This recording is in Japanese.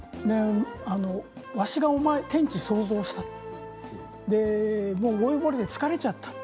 わしが、天地創造した老いぼれて疲れちゃった。